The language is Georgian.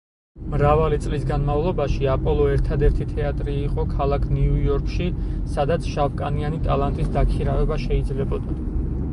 მრავალი წლის განმავლობაში აპოლო ერთადერთი თეატრი იყო ქალაქ ნიუ-იორკში, სადაც შავკანიანი ტალანტის დაქირავება შეიძლებოდა.